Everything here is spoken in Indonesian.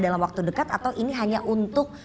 dalam waktu dekat atau ini hanya untuk